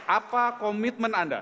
apa komitmen anda